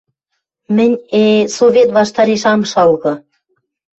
— Мӹнь, э-э-э... совет ваштареш ам шалгы...